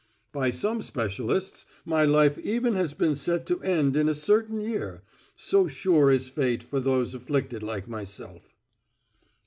"By some specialists my life even has been set to end in a certain year, so sure is fate for those afflicted like myself."